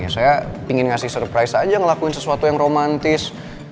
saya ingin ngasih surprise aja ngelakuin sesuatu yang romantis